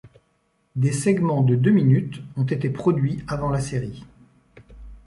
Des segments de deux minutes ont été produits avant la série.